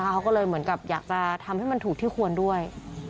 เขาก็เลยเหมือนกับอยากจะทำให้มันถูกที่ควรด้วย